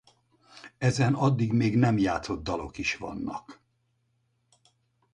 Ezen addig még nem játszott dalok is vannak.